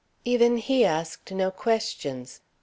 Even he asked no questions.